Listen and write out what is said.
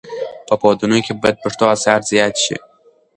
په پوهنتونونو کې باید پښتو اثار زیات شي.